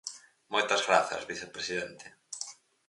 Moitas grazas, vicepresidente.